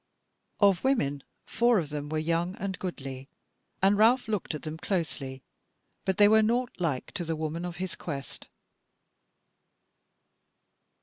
Of women four of them were young and goodly, and Ralph looked at them closely; but they were naught like to the woman of his quest.